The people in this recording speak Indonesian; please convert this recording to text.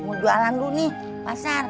mau jualan dulu nih pasar